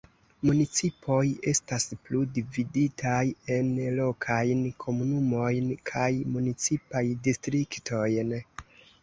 Municipoj estas plu dividitaj en lokajn komunumojn kaj municipaj distriktojn.